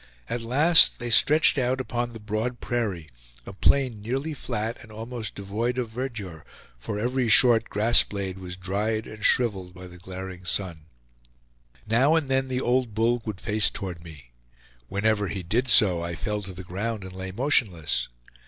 At last they stretched out upon the broad prairie, a plain nearly flat and almost devoid of verdure, for every short grass blade was dried and shriveled by the glaring sun. Now and then the old bull would face toward me; whenever he did so I fell to the ground and lay motionless.